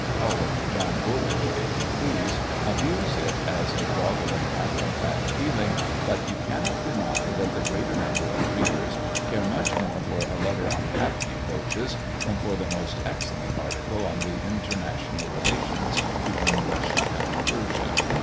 Call it John Bullish, if you please; abuse it as a grovelling matter of fact feeling, but you cannot deny that the greater number of readers care much more for a letter on hackney coaches, than for the most excellent article on the international relations between Russia and Persia.